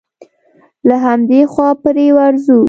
له همدې خوا پرې ورځو.